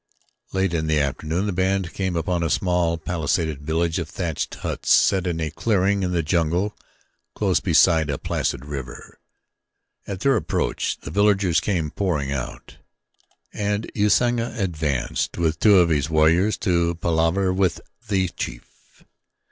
Late in the afternoon the band came upon a small palisaded village of thatched huts set in a clearing in the jungle close beside a placid river. At their approach the villagers came pouring out, and Usanga advanced with two of his warriors to palaver with the chief.